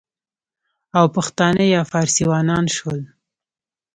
او پښتانه یا فارسیوانان شول،